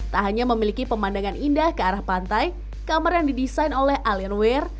tak hanya memiliki pemandangan indah ke arah pantai kamar yang didesain oleh alian wear